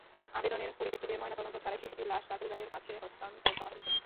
আবেদনের পরিপ্রেক্ষিতে ময়নাতদন্ত ছাড়াই শিশুটির লাশ তার পরিবারের কাছে হস্তান্তর করা হয়েছে।